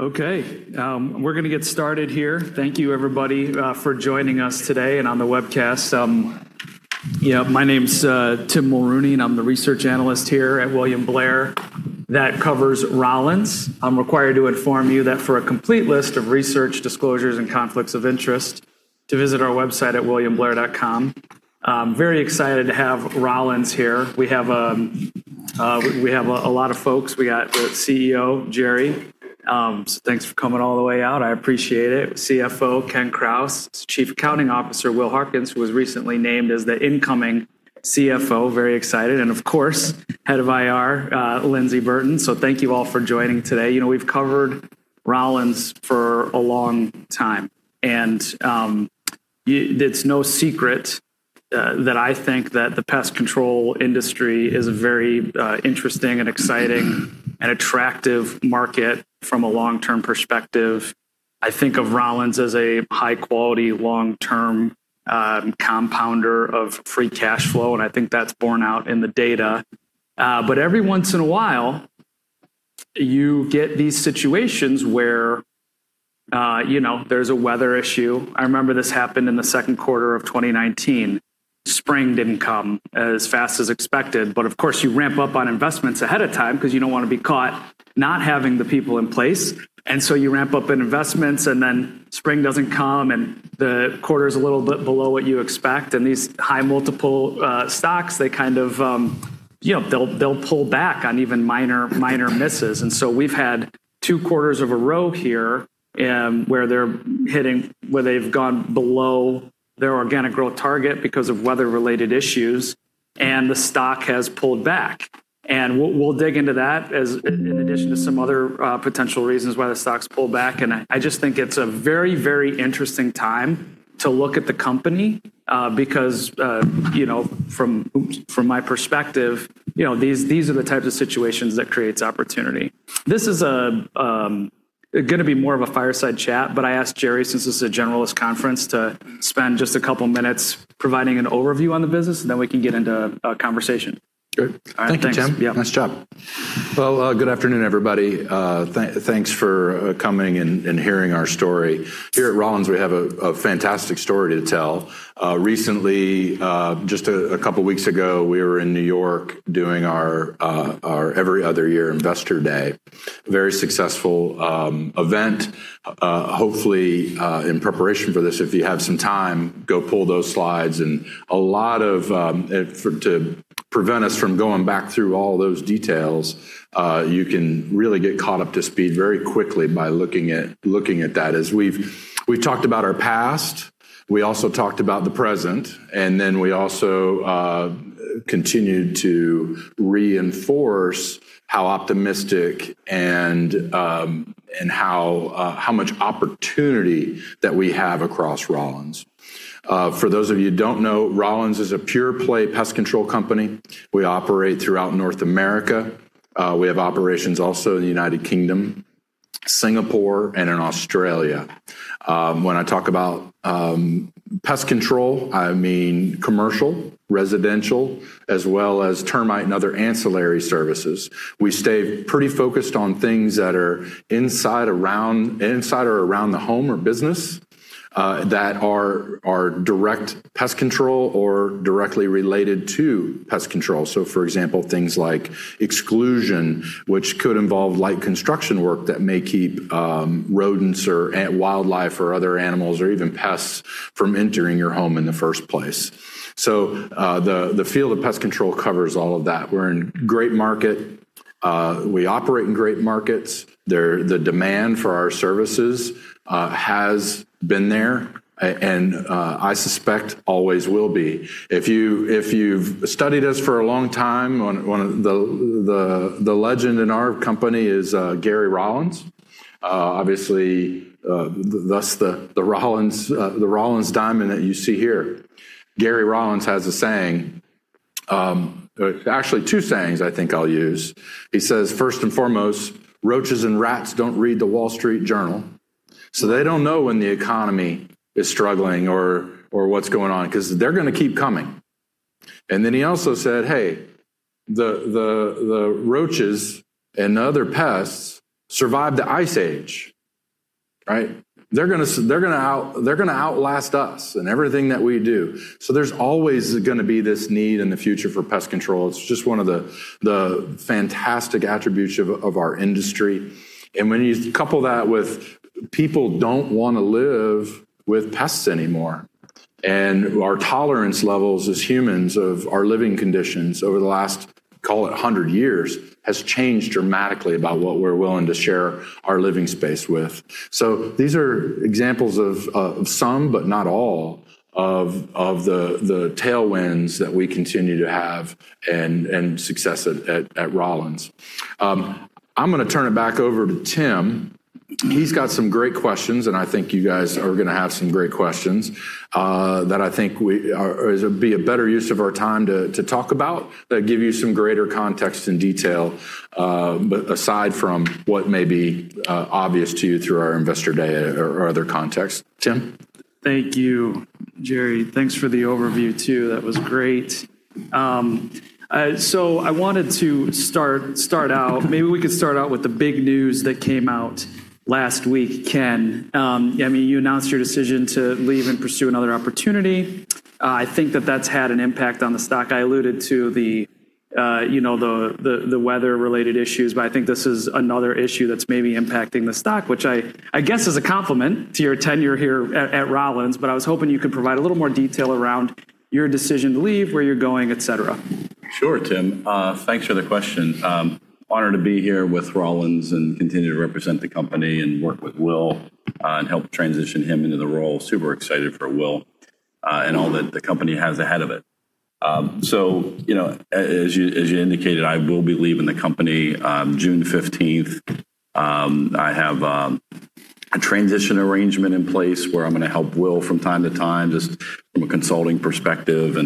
We're going to get started here. Thank you everybody for joining us today and on the webcast. My name's Tim Mulrooney, I'm the research analyst here at William Blair, that covers Rollins. I'm required to inform you that for a complete list of research disclosures and conflicts of interest, to visit our website at williamblair.com. I'm very excited to have Rollins here. We have a lot of folks. We got the CEO, Jerry. Thanks for coming all the way out. I appreciate it. CFO, Ken Krause. Chief Accounting Officer, Will Harkins, who was recently named as the incoming CFO, very excited, of course, Head of IR, Lyndsey Burton. Thank you all for joining today. We've covered Rollins for a long time, it's no secret that I think that the pest control industry is very interesting and exciting and attractive market from a long-term perspective. I think of Rollins as a high-quality, long-term compounder of free cash flow, and I think that's borne out in the data. Every once in a while, you get these situations where there's a weather issue. I remember this happened in the second quarter of 2019. Spring didn't come as fast as expected, but of course, you ramp up on investments ahead of time because you don't want to be caught not having the people in place. You ramp up in investments, and then spring doesn't come, and the quarter's a little bit below what you expect, and these high multiple stocks, they'll pull back on even minor misses. We've had two quarters of a row here, where they've gone below their organic growth target because of weather-related issues, and the stock has pulled back. We'll dig into that as in addition to some other potential reasons why the stock's pulled back. I just think it's a very interesting time to look at the company, because, from my perspective, these are the types of situations that creates opportunity. This is going to be more of a fireside chat, but I asked Jerry, since this is a generalist conference, to spend just a couple of minutes providing an overview on the business, and then we can get into a conversation. Sure. All right, thanks. Thank you, Tim. Yeah. Nice job. Well, good afternoon, everybody. Thanks for coming and hearing our story. Here at Rollins, we have a fantastic story to tell. Recently, just a couple of weeks ago, we were in New York doing our every other year Investor Day. Very successful event. Hopefully, in preparation for this, if you have some time, go pull those slides. To prevent us from going back through all those details, you can really get caught up to speed very quickly by looking at that. As we've talked about our past, we also talked about the present, and then we also continued to reinforce how optimistic and how much opportunity that we have across Rollins. For those of you who don't know, Rollins is a pure play pest control company. We operate throughout North America. We have operations also in the United Kingdom, Singapore, and in Australia. When I talk about pest control, I mean commercial, residential, as well as termite and other ancillary services. We stay pretty focused on things that are inside or around the home or business, that are direct pest control or directly related to pest control. For example, things like exclusion, which could involve light construction work that may keep rodents or wildlife or other animals, or even pests from entering your home in the first place. The field of pest control covers all of that. We're in great market. We operate in great markets. The demand for our services has been there and, I suspect, always will be. If you've studied us for a long time, the legend in our company is Gary Rollins. Obviously, thus, the Rollins diamond that you see here. Gary Rollins has a saying, actually two sayings I think I'll use. He says, first and foremost, "Roaches and rats don't read The Wall Street Journal." They don't know when the economy is struggling or what's going on, because they're going to keep coming. Then he also said, "Hey, the roaches and the other pests survived the Ice Age." They're going to outlast us and everything that we do. There's always going to be this need in the future for pest control. It's just one of the fantastic attributes of our industry. When you couple that with people don't want to live with pests anymore, and our tolerance levels as humans of our living conditions over the last, call it 100 years, has changed dramatically about what we're willing to share our living space with. These are examples of some, but not all, of the tailwinds that we continue to have and success at Rollins. I'm going to turn it back over to Tim. He's got some great questions. I think you guys are going to have some great questions, that I think it'd be a better use of our time to talk about, that give you some greater context and detail, aside from what may be obvious to you through our Investor Day or other contexts. Tim? Thank you Jerry, thanks for the overview too. That was great. I wanted to start out, maybe we could start out with the big news that came out last week, Ken. You announced your decision to leave and pursue another opportunity. I think that that's had an impact on the stock. I alluded to the weather-related issues, but I think this is another issue that's maybe impacting the stock, which I guess is a compliment to your tenure here at Rollins, but I was hoping you could provide a little more detail around your decision to leave, where you're going, et cetera. Sure, Tim. Thanks for the question. Honored to be here with Rollins and continue to represent the company and work with Will and help transition him into the role. Super excited for Will and all that the company has ahead of it. As you indicated, I will be leaving the company on June 15th. I have a transition arrangement in place where I'm going to help Will from time to time, just from a consulting perspective.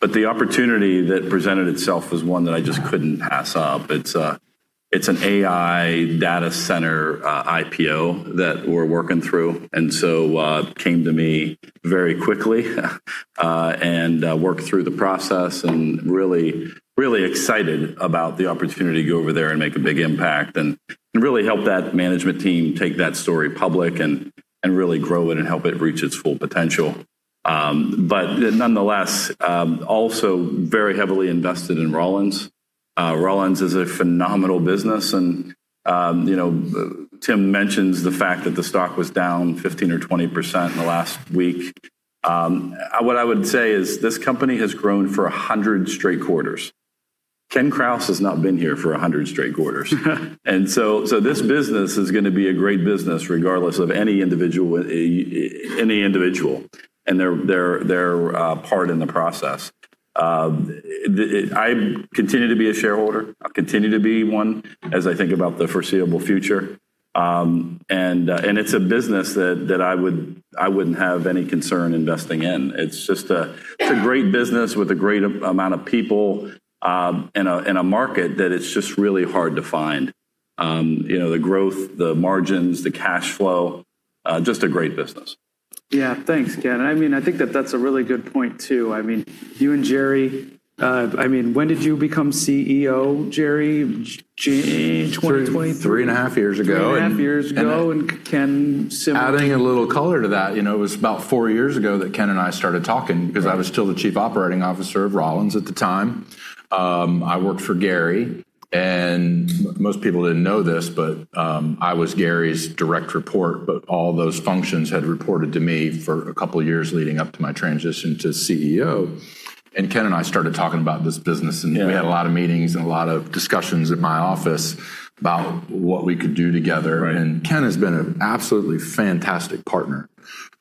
The opportunity that presented itself was one that I just couldn't pass up. It's an AI data center IPO that we're working through. Came to me very quickly and worked through the process and really excited about the opportunity to go over there and make a big impact and really help that management team take that story public and really grow it and help it reach its full potential. Nonetheless, also very heavily invested in Rollins. Rollins is a phenomenal business. Tim mentions the fact that the stock was down 15% or 20% in the last week. What I would say is this company has grown for 100 straight quarters. Ken Krause has not been here for 100 straight quarters. This business is going to be a great business regardless of any individual and their part in the process. I continue to be a shareholder. I'll continue to be one as I think about the foreseeable future. It's a business that I wouldn't have any concern investing in. It's a great business with a great amount of people in a market that it's just really hard to find. The growth, the margins, the cash flow, just a great business. Yeah. Thanks, Ken. I think that's a really good point, too. You and Jerry, when did you become CEO, Jerry? June 2023? Three and a half years ago. Three and a half years ago. Adding a little color to that, it was about four years ago that Ken and I started talking because I was still the Chief Operating Officer of Rollins at the time. I worked for Gary, and most people didn't know this, but I was Gary's direct report, but all those functions had reported to me for a couple of years leading up to my transition to CEO. Ken and I started talking about this business, and we had a lot of meetings and a lot of discussions at my office about what we could do together. Right. Ken has been an absolutely fantastic partner.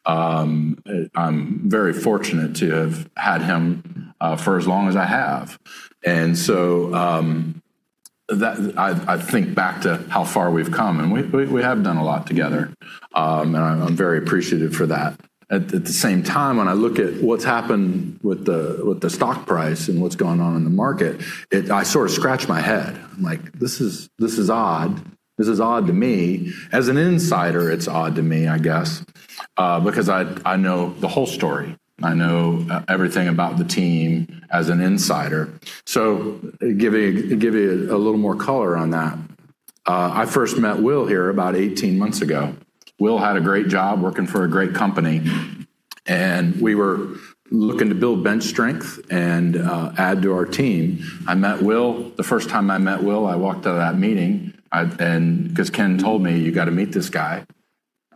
I'm very fortunate to have had him for as long as I have. I think back to how far we've come, and we have done a lot together, and I'm very appreciative for that. At the same time, when I look at what's happened with the stock price and what's gone on in the market, I sort of scratch my head. I'm like, this is odd. This is odd to me. As an insider, it's odd to me, I guess, because I know the whole story. I know everything about the team as an insider. Giving a little more color on that. I first met Will here about 18 months ago. Will had a great job working for a great company, and we were looking to build bench strength and add to our team. I met Will. The first time I met Will, I walked out of that meeting because Ken told me, "You got to meet this guy."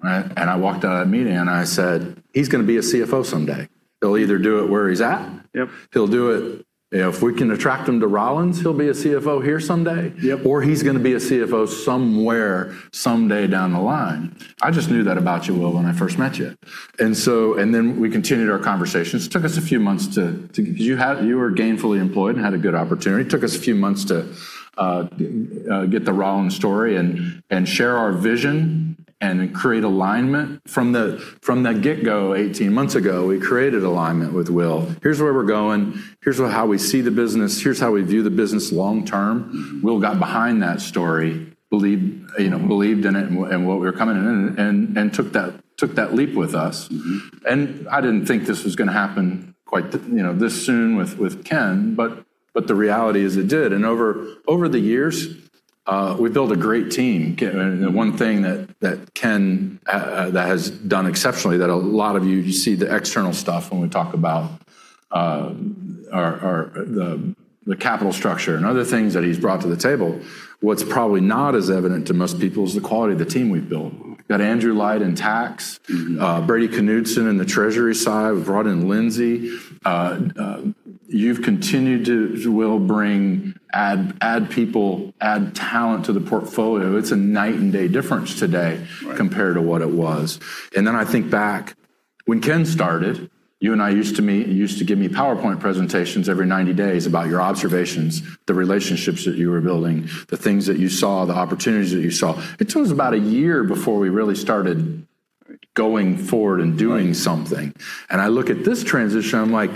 Right? I walked out of that meeting, I said, "He's going to be a CFO someday. He'll either do it where he's at. Yep. He'll do it if we can attract him to Rollins, he'll be a CFO here someday. Yep. He's going to be a CFO somewhere someday down the line. I just knew that about you, Will, when I first met you. We continued our conversations. You were gainfully employed and had a good opportunity. It took us a few months to get the Rollins story and share our vision and create alignment. From the get-go 18 months ago, we created alignment with Will. Here's where we're going. Here's how we see the business. Here's how we view the business long term. Will got behind that story, believed in it, and what we were coming in and took that leap with us. I didn't think this was going to happen quite this soon with Ken, the reality is it did. Over the years, we built a great team. One thing that Ken has done exceptionally, that a lot of you see the external stuff when we talk about the capital structure and other things that he's brought to the table. What's probably not as evident to most people is the quality of the team we've built. Got Andrew Light in tax. Brady Knudsen in the treasury side. We've brought in Lyndsey. You've continued to, Will, add people, add talent to the portfolio. It's a night and day difference today— Right. Compared to what it was. I think back when Ken started, you and I used to give me PowerPoint presentations every 90 days about your observations, the relationships that you were building, the things that you saw, the opportunities that you saw. It took us about a year before we really started going forward and doing something. I look at this transition, I'm like,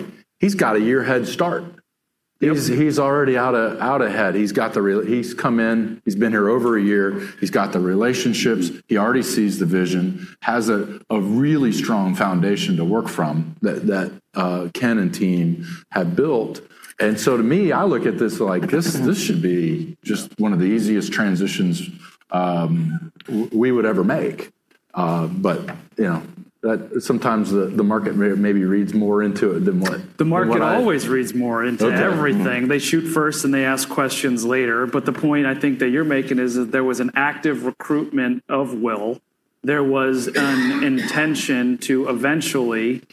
"He's got a year head start." He's already out ahead. He's come in, he's been here over a year, he's got the relationships. He already sees the vision, has a really strong foundation to work from that Ken and team have built. To me, I look at this like, this should be just one of the easiest transitions we would ever make. Sometimes the market maybe reads more into it than what I— The market always reads more into everything. Okay. They shoot first, they ask questions later. The point I think that you're making is that there was an active recruitment of Will. There was an intention to eventually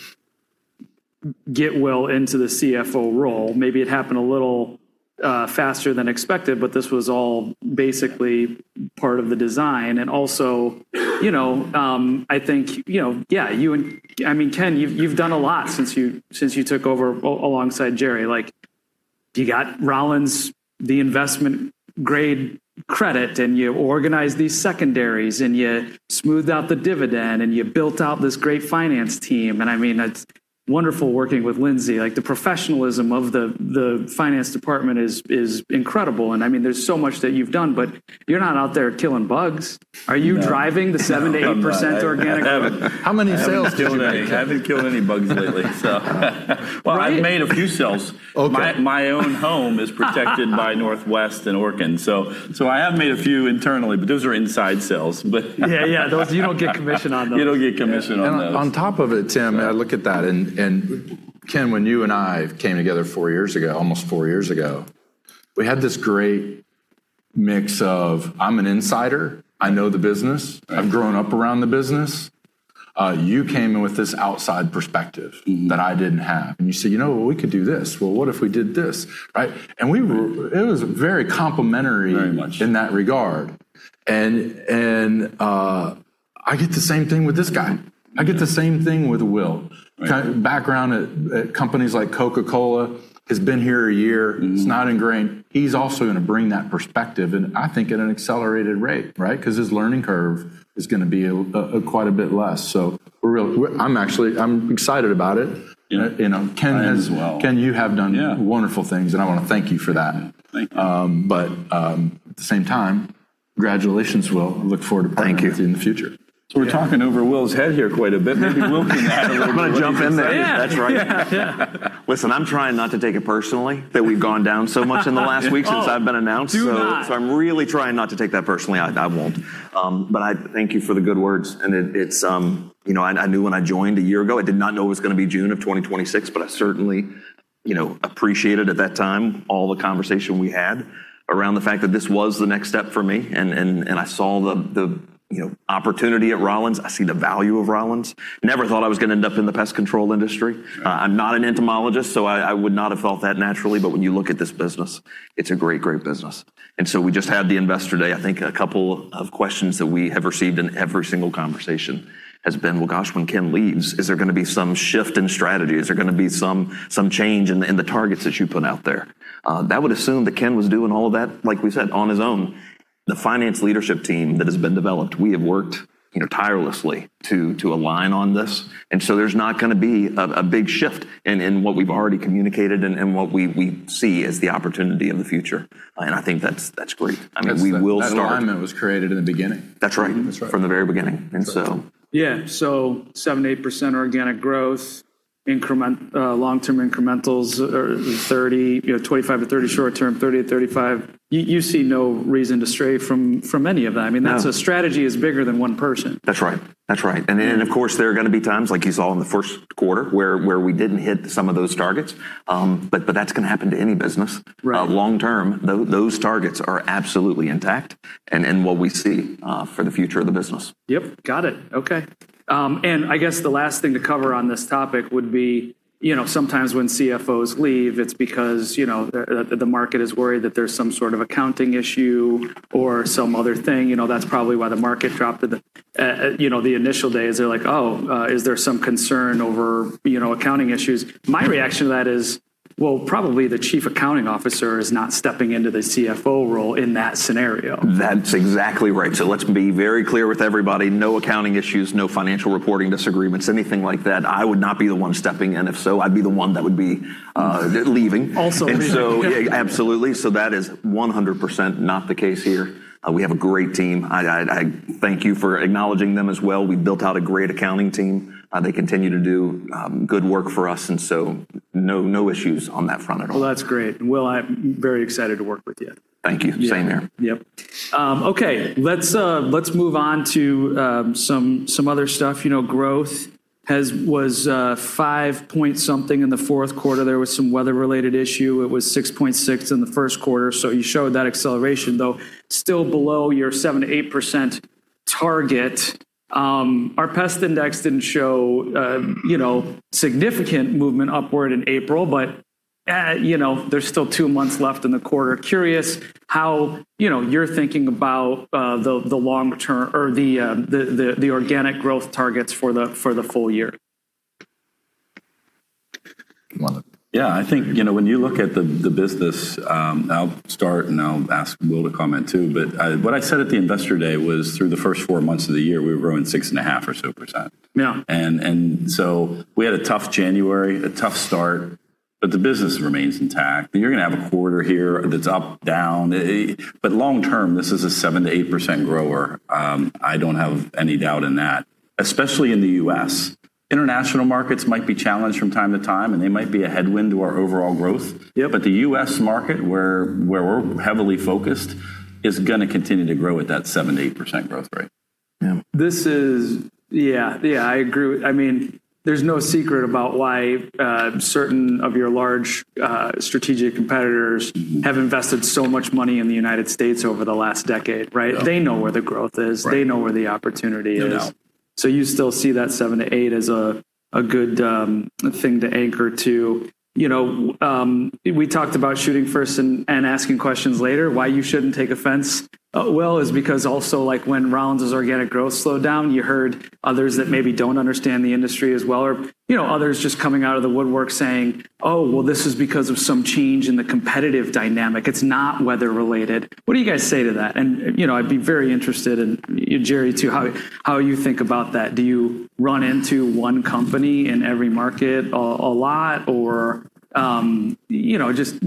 get Will into the CFO role. Maybe it happened a little faster than expected, this was all basically part of the design. Also, I think Ken, you've done a lot since you took over alongside Jerry. You got Rollins the investment-grade credit, and you organized these secondaries, and you smoothed out the dividend, and you built out this great finance team. It's wonderful working with Lyndsey. The professionalism of the finance department is incredible. There's so much that you've done, but you're not out there killing bugs. No. Are you driving the 7%-8% organic? I'm not. How many sales do you make? I haven't killed any bugs lately. Right? Well, I made a few sales. Okay. My own home is protected by Northwest and Orkin. I have made a few internally, but those are inside sales. Yeah. Those, you don't get commission on those. You don't get commission on those. On top of it, Tim, I look at that, and Ken, when you and I came together four years ago, almost four years ago, we had this great mix of, I'm an insider, I know the business. Right. I've grown up around the business. You came in with this outside perspective that I didn't have, and you say, "We could do this. Well, what if we did this?" Right? It was very complimentary. Very much. in that regard. I get the same thing with this guy. I get the same thing with Will. Right. Background at companies like Coca-Cola. He's been here a year. He's not ingrained. He's also going to bring that perspective, and I think at an accelerated rate, right? His learning curve is going to be quite a bit less. I'm excited about it. I am as well. Ken you have done— Yeah Wonderful things. I want to thank you for that. Thank you. At the same time, congratulations, Will. Look forward to partnering— Thank you. With you in the future. We're talking over Will's head here quite a bit. Maybe Will can add a little bit. Go jump in there. Yeah. That's right. Yeah. I'm trying not to take it personally that we've gone down so much in the last week since I've been announced. Do not. I'm really trying not to take that personally. I won't. I thank you for the good words. I knew when I joined a year ago, I did not know it was going to be June of 2026, but I certainly appreciated at that time all the conversation we had around the fact that this was the next step for me, and I saw the opportunity at Rollins. I see the value of Rollins. Never thought I was going to end up in the pest control industry. Sure. I'm not an entomologist. I would not have felt that naturally. When you look at this business, it's a great business. We just had the Investor Day. I think a couple of questions that we have received in every single conversation has been, well, gosh, when Ken leaves, is there going to be some shift in strategy? Is there going to be some change in the targets that you put out there? That would assume that Ken was doing all of that, like we said, on his own. The finance leadership team that has been developed, we have worked tirelessly to align on this. There's not going to be a big shift in what we've already communicated and what we see as the opportunity in the future. I think that's great. We will start— That alignment was created in the beginning. That's right. That's right. From the very beginning. Yeah. 7%-8% organic growth, long-term incrementals are 30%, 25%-30% short-term, 30%-35%. You see no reason to stray from any of that? No. That's a strategy is bigger than one person. That's right. Of course, there are going to be times, like you saw in the first quarter where we didn't hit some of those targets. That's going to happen to any business. Right. Long term, those targets are absolutely intact and in what we see for the future of the business. Yep. Got it. Okay. I guess the last thing to cover on this topic would be, sometimes when CFOs leave, it's because the market is worried that there's some sort of accounting issue or some other thing. That's probably why the market dropped at the initial days. They're like, "Oh, is there some concern over accounting issues?" My reaction to that is, well, probably the Chief Accounting Officer is not stepping into the CFO role in that scenario. That's exactly right. Let's be very clear with everybody. No accounting issues, no financial reporting disagreements, anything like that. I would not be the one stepping in. If so, I'd be the one that would be leaving. Also leaving. Yeah, absolutely. That is 100% not the case here. We have a great team. I thank you for acknowledging them as well. We built out a great accounting team. They continue to do good work for us. No issues on that front at all. Well, that's great. Will, I'm very excited to work with you. Thank you. Same here. Yep. Okay. Let's move on to some other stuff. Growth was five-point-something in the fourth quarter. There was some weather-related issue. It was 6.6% in the first quarter. You showed that acceleration, though, still below your 7%-8% target. Our pest index didn't show significant movement upward in April, but there's still two months left in the quarter. Curious how you're thinking about the long-term or the organic growth targets for the full year. You want to? Yeah. I think when you look at the business, I'll start, and I'll ask Will to comment, too, but what I said at the Investor Day was through the first four months of the year, we were growing six and a half or so percent. Yeah. We had a tough January, a tough start. The business remains intact. You're going to have a quarter here that's up, down, but long-term, this is a 7%-8% grower. I don't have any doubt in that, especially in the U.S. International markets might be challenged from time to time, and they might be a headwind to our overall growth. Yeah. The U.S. market, where we're heavily focused, is going to continue to grow at that 7%-8% growth rate. Yeah. I agree. There's no secret about why certain of your large strategic competitors have invested so much money in the United States over the last decade, right? Yeah. They know where the growth is. Right. They know where the opportunity is. They know. You still see that 7%-8% as a good thing to anchor to. We talked about shooting first and asking questions later, why you shouldn't take offense. Is because also when Rollins' organic growth slowed down, you heard others that maybe don't understand the industry as well, or others just coming out of the woodwork saying, "Oh, well, this is because of some change in the competitive dynamic. It's not weather-related." What do you guys say to that? I'd be very interested in, Jerry, too, how you think about that. Do you run into one company in every market a lot, or just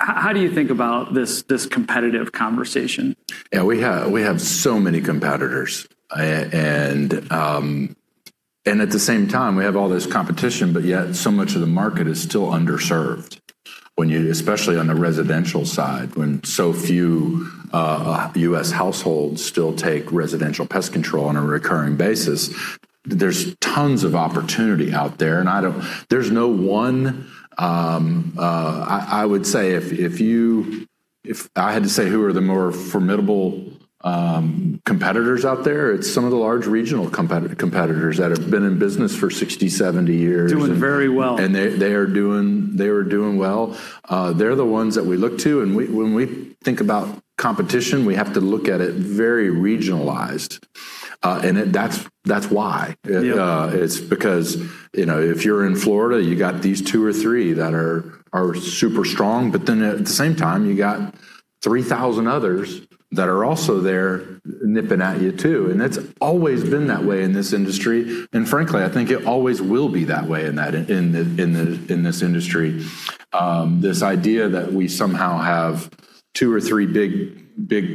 how do you think about this competitive conversation? Yeah. We have so many competitors. At the same time, we have all this competition, but yet so much of the market is still underserved, especially on the residential side, when so few U.S. households still take residential pest control on a recurring basis. There's tons of opportunity out there. If I had to say who are the more formidable competitors out there, it's some of the large regional competitors that have been in business for 60, 70 years. Doing very well. They are doing well. They're the ones that we look to, and when we think about competition, we have to look at it very regionalized. That's why. Yeah. It's because if you're in Florida, you got these two or three that are super strong, but then at the same time, you got 3,000 others that are also there nipping at you, too. It's always been that way in this industry. Frankly, I think it always will be that way in this industry. This idea that we somehow have two or three big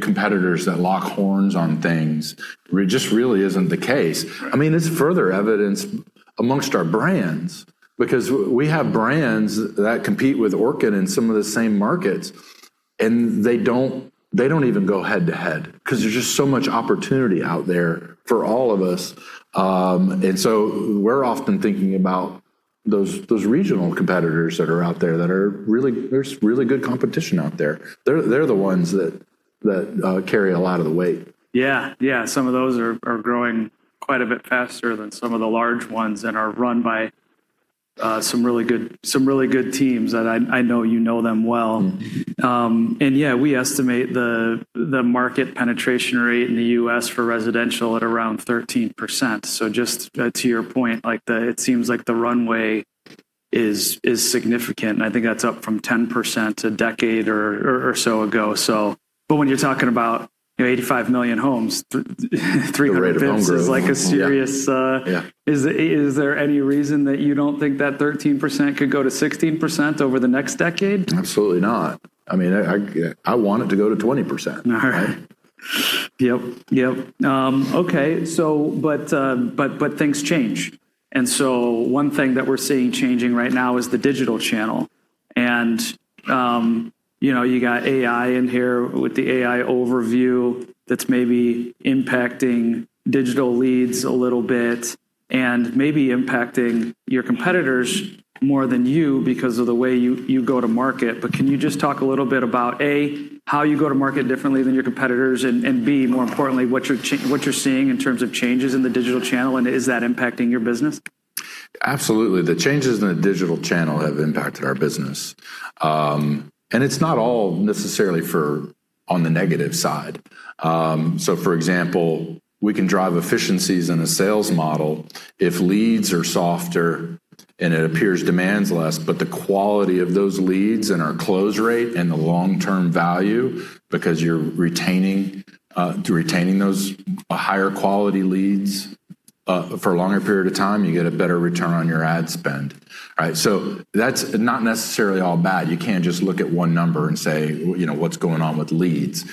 competitors that lock horns on things just really isn't the case. Right. It's further evidence amongst our brands, because we have brands that compete with Orkin in some of the same markets, and they don't even go head-to-head because there's just so much opportunity out there for all of us. We're often thinking about those regional competitors that are out there. There's really good competition out there. They're the ones that carry a lot of the weight. Yeah. Some of those are growing quite a bit faster than some of the large ones and are run by some really good teams, and I know you know them well. Yeah, we estimate the market penetration rate in the U.S. for residential at around 13%. Just to your point, it seems like the runway is significant, and I think that's up from 10% a decade or so ago. When you're talking about 85 million homes, 3%— The rate of home growth. Is like a serious— Yeah. Is there any reason that you don't think that 13% could go to 16% over the next decade? Absolutely not. I want it to go to 20%. All right. Yep. Okay. Things change. One thing that we're seeing changing right now is the digital channel. You got AI in here with the AI overview that's maybe impacting digital leads a little bit and maybe impacting your competitors more than you because of the way you go to market. Can you just talk a little bit about, A, how you go to market differently than your competitors, and B, more importantly, what you're seeing in terms of changes in the digital channel, and is that impacting your business? Absolutely. The changes in the digital channel have impacted our business. It's not all necessarily on the negative side. For example, we can drive efficiencies in a sales model if leads are softer and it appears demand's less, but the quality of those leads and our close rate and the long-term value, because you're retaining those higher-quality leads for a longer period of time, you get a better return on your ad spend. Right? That's not necessarily all bad. You can't just look at one number and say what's going on with leads.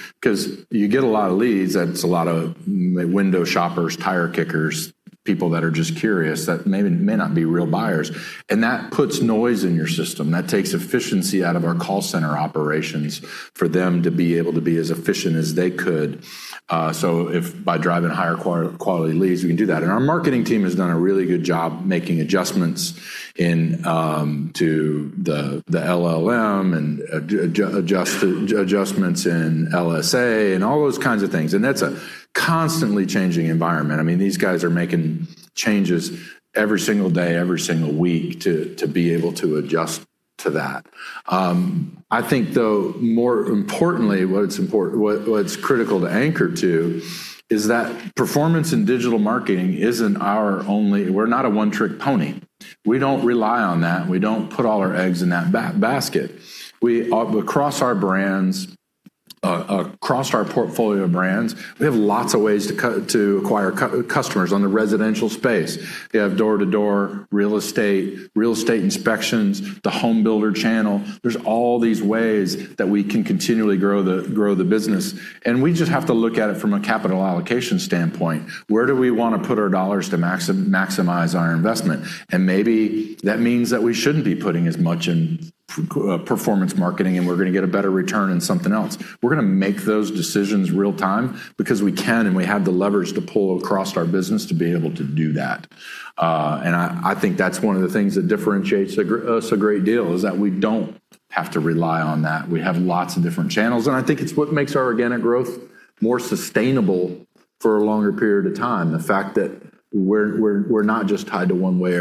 You get a lot of leads, that's a lot of window shoppers, tire kickers, people that are just curious that may not be real buyers. That puts noise in your system. That takes efficiency out of our call center operations for them to be able to be as efficient as they could. If by driving higher-quality leads, we can do that. Our marketing team has done a really good job making adjustments to the LLM and adjustments in LSA and all those kinds of things. That's a constantly changing environment. These guys are making changes every single day, every single week, to be able to adjust to that. I think, though, more importantly, what's critical to anchor to is that performance in digital marketing, we're not a one-trick pony. We don't rely on that. We don't put all our eggs in that basket. Across our portfolio of brands, we have lots of ways to acquire customers on the residential space. We have door-to-door, real estate, real estate inspections, the home builder channel. There's all these ways that we can continually grow the business, and we just have to look at it from a capital allocation standpoint. Where do we want to put our dollars to maximize our investment? Maybe that means that we shouldn't be putting as much in performance marketing, and we're going to get a better return in something else. We're going to make those decisions real-time because we can, and we have the levers to pull across our business to be able to do that. I think that's one of the things that differentiates us a great deal, is that we don't have to rely on that. We have lots of different channels, and I think it's what makes our organic growth more sustainable for a longer period of time, the fact that we're not just tied to one way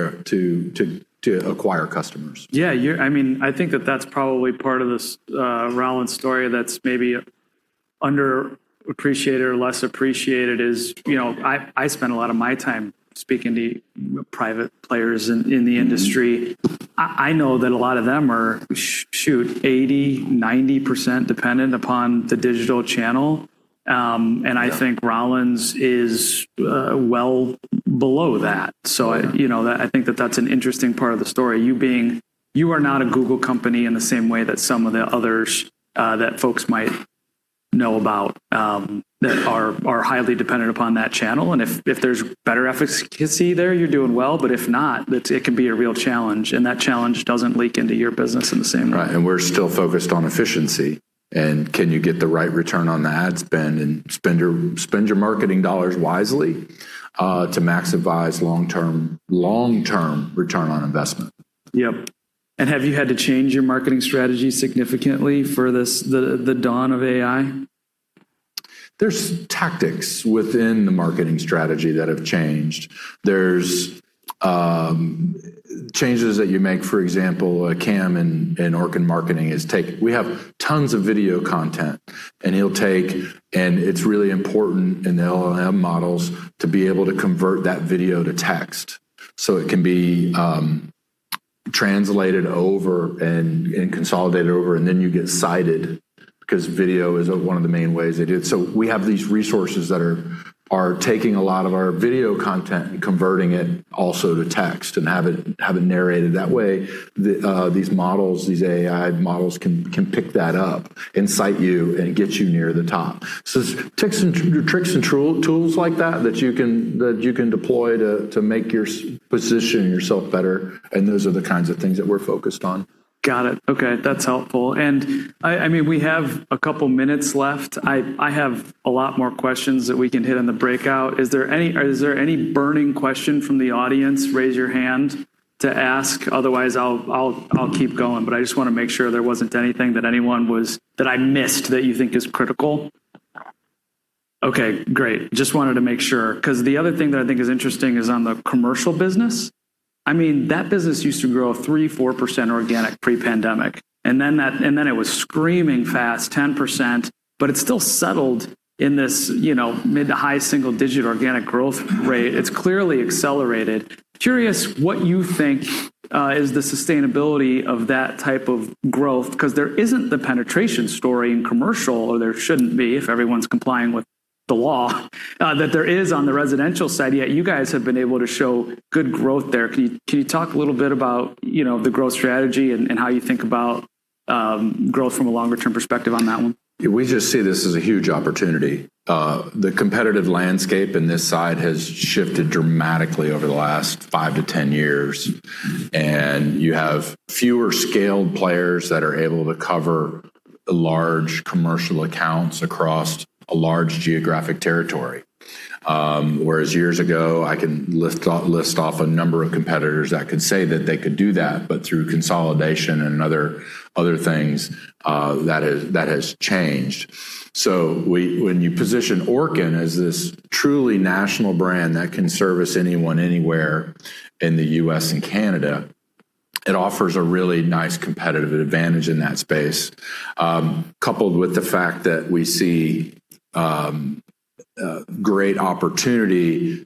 to acquire customers. Yeah. I think that that's probably part of this Rollins story that's maybe underappreciated or less appreciated is, I spend a lot of my time speaking to private players in the industry. I know that a lot of them are, shoot, 80%, 90% dependent upon the digital channel. Yeah. I think Rollins is well below that. I think that that's an interesting part of the story. You are not a Google company in the same way that some of the others that folks might know about, that are highly dependent upon that channel. If there's better efficacy there, you're doing well, but if not, it can be a real challenge, and that challenge doesn't leak into your business in the same way. Right. We're still focused on efficiency, and can you get the right return on the ad spend, and spend your marketing dollars wisely, to maximize long-term return on investment. Yep. Have you had to change your marketing strategy significantly for the dawn of AI? There's tactics within the marketing strategy that have changed. There's changes that you make. For example, Cam in Orkin marketing, we have tons of video content, and it's really important in the LLM models to be able to convert that video to text, so it can be translated over and consolidated over, and then you get cited, because video is one of the main ways they do it. We have these resources that are taking a lot of our video content and converting it also to text and have it narrated. That way, these AI models can pick that up and cite you and get you near the top. It's tricks and tools like that you can deploy to position yourself better, and those are the kinds of things that we're focused on. Got it. Okay. That's helpful. We have a couple minutes left. I have a lot more questions that we can hit on the breakout. Is there any burning question from the audience, raise your hand, to ask? Otherwise, I'll keep going, but I just want to make sure there wasn't anything that I missed that you think is critical. Okay, great. Just wanted to make sure, because the other thing that I think is interesting is on the commercial business. That business used to grow 3%, 4% organic pre-pandemic, and then it was screaming fast 10%, but it still settled in this mid to high single-digit organic growth rate. It's clearly accelerated. Curious what you think is the sustainability of that type of growth, because there isn't the penetration story in commercial, or there shouldn't be if everyone's complying with the law, that there is on the residential side, yet you guys have been able to show good growth there. Can you talk a little bit about the growth strategy and how you think about growth from a longer term perspective on that one? We just see this as a huge opportunity. The competitive landscape in this side has shifted dramatically over the last 5-10 years. You have fewer scaled players that are able to cover large commercial accounts across a large geographic territory. Whereas years ago, I can list off a number of competitors that could say that they could do that, through consolidation and other things, that has changed. When you position Orkin as this truly national brand that can service anyone anywhere in the U.S. and Canada, it offers a really nice competitive advantage in that space. Coupled with the fact that we see great opportunity.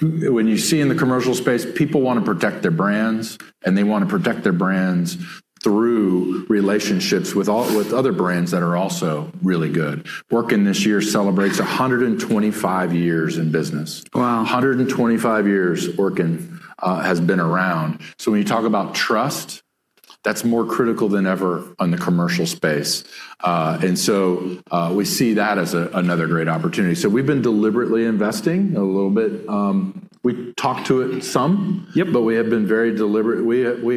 When you see in the commercial space, people want to protect their brands, they want to protect their brands through relationships with other brands that are also really good. Orkin this year celebrates 125 years in business. Wow. 125 years Orkin has been around. When you talk about trust, that's more critical than ever on the commercial space. We see that as another great opportunity. We've been deliberately investing a little bit. We talked to it and some. Yep. We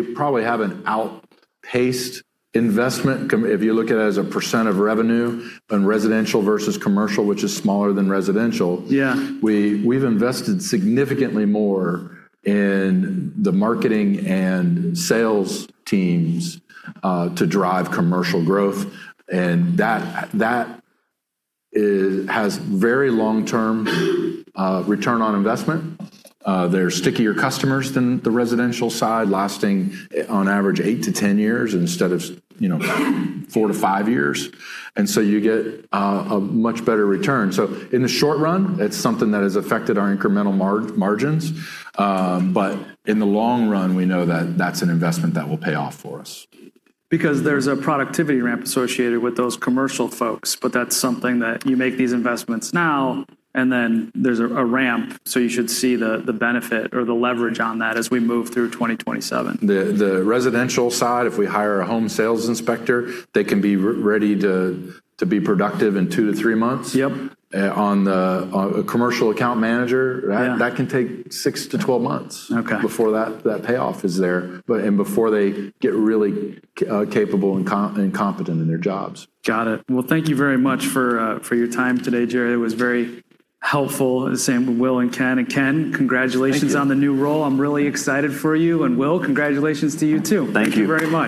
probably have an outpaced investment, if you look at it as a percent of revenue on residential versus commercial, which is smaller than residential. Yeah. We've invested significantly more in the marketing and sales teams, to drive commercial growth. That has very long-term return on investment. They're stickier customers than the residential side, lasting on average 8-10 years instead of four to five years. You get a much better return. In the short run, it's something that has affected our incremental margins, but in the long run, we know that that's an investment that will pay off for us. Because there's a productivity ramp associated with those commercial folks, but that's something that you make these investments now, and then there's a ramp, so you should see the benefit or the leverage on that as we move through 2027. The residential side, if we hire a home sales inspector, they can be ready to be productive in two to three months. Yep. On the commercial account manager— Yeah. That can take 6-12 months— Okay. Before that payoff is there and before they get really capable and competent in their jobs. Got it. Well, thank you very much for your time today, Jerry. It was very helpful. Same with Will and Ken. Ken, congratulations— Thank you. On the new role. I'm really excited for you. Will, congratulations to you too. Thank you. Thank you very much.